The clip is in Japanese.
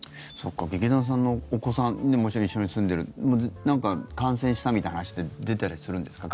劇団さんのお子さんもちろん一緒に住んでるなんか、感染したみたいな話って出たりするんですか？